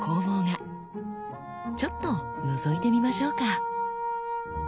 ちょっとのぞいてみましょうか。